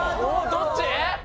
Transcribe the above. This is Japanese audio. どっち！？